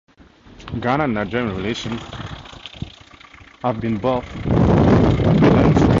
Ghana Nigerian relations have been both bitter and sweet.